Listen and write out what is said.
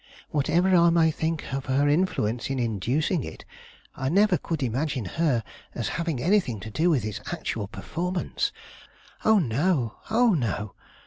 Whatever I may think of her influence in inducing it, I never could imagine her as having anything to do with its actual performance. Oh, no! oh, no!